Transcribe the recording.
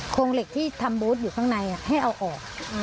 โครงเหล็กที่ทำบูธอยู่ข้างในให้เอาออก